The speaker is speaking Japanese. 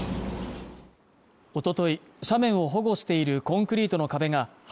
おととい斜面を保護しているコンクリートの壁が幅